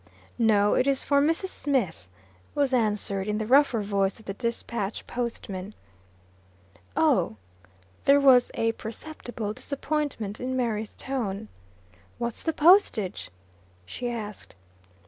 "No, it is for Mrs. Smith," was answered, in the rougher voice of the Despatch Post man. "Oh." There was a perceptible disappointment in Mary's tone. "What's the postage?" she asked.